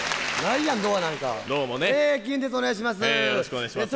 お願いします。